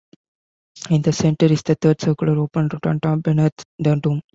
In the center is a third circular open rotunda beneath the dome.